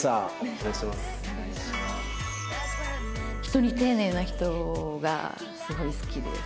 人に丁寧な人がすごい好きで。